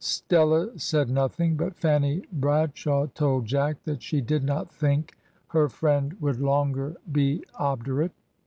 Stella said nothing, but Fanny Bradshaw told Jack that she did not think her friend would longer be obdurate.